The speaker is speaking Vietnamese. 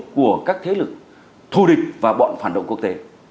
của các thế lực thù địch và bọn phản động quốc tế